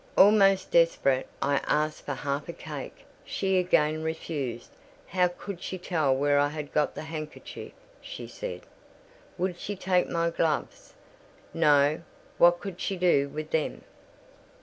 Almost desperate, I asked for half a cake; she again refused. "How could she tell where I had got the handkerchief?" she said. "Would she take my gloves?" "No! what could she do with them?"